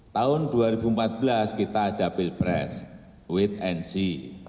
tahun dua ribu empat belas kita ada pilpres wedensi